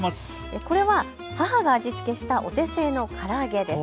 これは元母が味付けしたお手製のから揚げです。